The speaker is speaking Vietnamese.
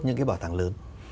những cái bảo tàng lớn